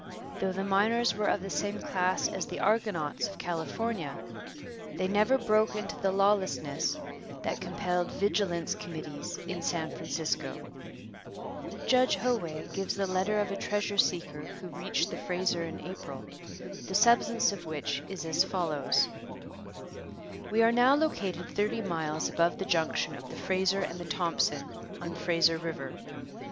Though the miners were of the same class as the 'argonauts' of California, they never broke into the lawlessness that compelled vigilance committees in San Francisco. [Illustration: Sir James Douglas. From a portrait by Savannah] Judge Howay gives the letter of a treasure seeker who reached the Fraser in April, the substance of which is as follows: We're now located thirty miles above the junction of the Fraser and the Thompson on Fraser River...